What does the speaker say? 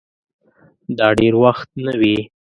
دا دېر وخت نه وې